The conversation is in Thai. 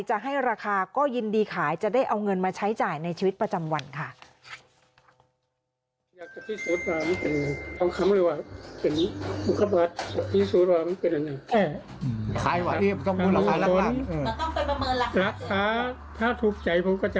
จะให้ราคาก็ยินดีขายจะได้เอาเงินมาใช้จ่ายในชีวิตประจำวันค่ะ